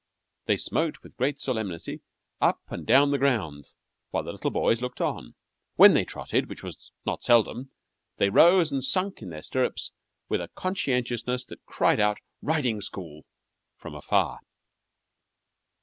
They smote with great solemnity up and down the grounds, while the little boys looked on. When they trotted, which was not seldom, they rose and sunk in their stirrups with a conscientiousness that cried out "Riding school!" from afar.